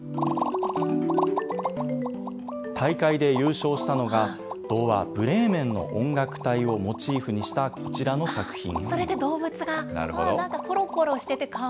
大会で優勝したのが、童話、ブレーメンの音楽隊をモチーフにしたこちらの作品。